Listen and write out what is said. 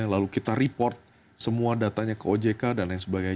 lalu kita report semua datanya ke ojk dan lain sebagainya